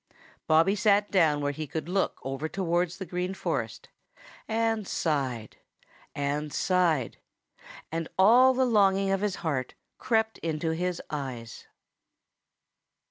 Bobby sat down where he could look over towards the Green Forest and sighed and sighed, and all the longing of his heart crept into his eyes.